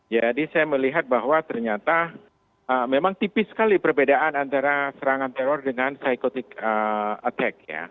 jadi saya melihat bahwa ternyata memang tipis sekali perbedaan antara serangan teror dengan psychotic attack ya